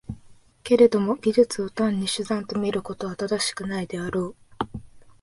けれども技術を単に手段と見ることは正しくないであろう。